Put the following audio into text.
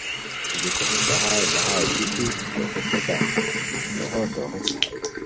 بیکو ہیس بغائے بغائے بی ای ڈوکو ٹیکہ نوغور تو غیچی ہائے